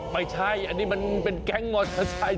ไม่ใช่อันนี้มันเป็นแก๊งมอเตอร์ไซค์